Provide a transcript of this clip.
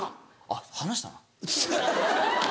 あっ話した？